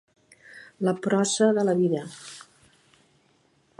La prosa de la vida.